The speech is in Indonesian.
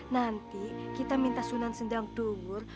nanti kita minta sunat sendang duhur